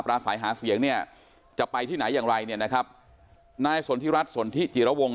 สายหาเสียงเนี่ยจะไปที่ไหนอย่างไรเนี่ยนะครับนายสนทิรัฐสนทิจิระวง